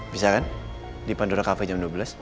bisa kan di pandora cafe jam dua belas